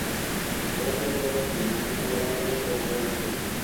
আল্লাহ ছাড়া কোন উপাস্য নেই, মুহাম্মাদ সাল্লাল্লাহু আলাইহি ওয়াসাল্লাম আল্লাহর রাসূল।